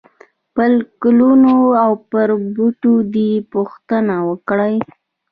پرګلونو او پر بوټو دي، پوښتنه وکړئ !!!